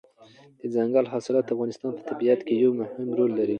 دځنګل حاصلات د افغانستان په طبیعت کې یو مهم رول لري.